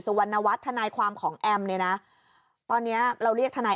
สุวรรณวรรดิเว้นทนายความของแอมจริงนะตอนนี้เราเรียกทนาย